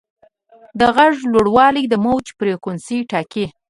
د غږ لوړوالی د موج فریکونسي ټاکي.